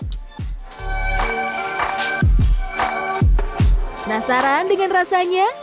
penasaran dengan rasanya